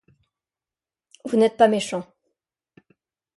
Vous n’êtes pas méchants.